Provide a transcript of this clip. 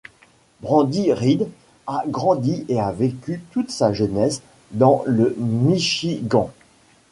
Brandi Reed a grandi et a vécu toute sa jeunesse dans le Michigan.